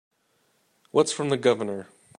What's from the Governor?